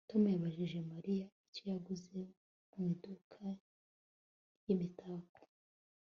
Tom yabajije Mariya icyo yaguze mu iduka ryimitako